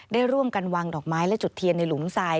ได้ร่วมกันวางดอกไม้และจุดเทียนในหลุมทราย